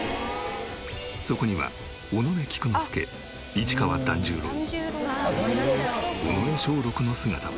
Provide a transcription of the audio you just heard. そこには尾上菊之助市川團十郎尾上松緑の姿も。